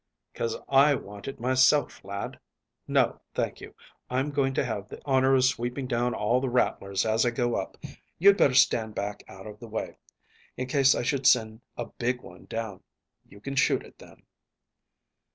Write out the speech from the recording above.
"'Cause I want it myself, lad. No, thank you; I'm going to have the honour of sweeping down all the rattlers as I go up. You'd better stand back out of the way, in case I should send a big one down. You can shoot it then."